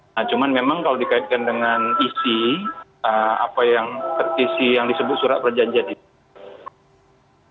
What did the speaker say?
nah cuman memang kalau dikaitkan dengan isi apa yang terisi yang disebut surat perjanjian itu